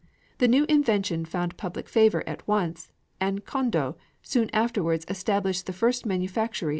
The new invention found public favor at once; and Kondō soon afterwards established the first manufactory of insect cages.